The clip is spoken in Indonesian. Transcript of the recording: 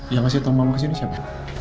yang kasih tahu mama kesini siapa